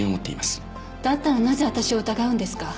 だったらなぜ私を疑うんですか？